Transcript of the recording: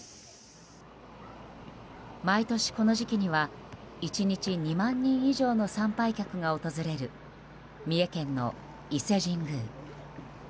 毎年、この時期には１日２万人以上の参拝客が訪れる三重県の伊勢神宮。